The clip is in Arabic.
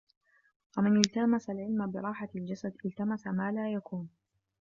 وَمَنْ الْتَمَسَ الْعِلْمَ بِرَاحَةِ الْجَسَدِ الْتَمَسَ مَا لَا يَكُونُ